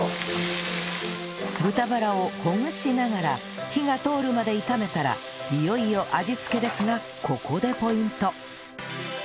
豚バラをほぐしながら火が通るまで炒めたらいよいよ味付けですがここでポイント